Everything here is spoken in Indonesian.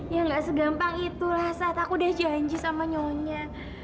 ya gak segampang itulah saat aku udah janji sama nyonya